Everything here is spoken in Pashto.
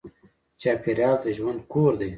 چاپېریال د ژوند کور دی.